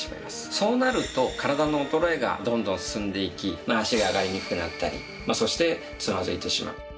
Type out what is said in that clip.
そうなると体の衰えがどんどん進んでいき脚が上がりにくくなったりそしてつまずいてしまう。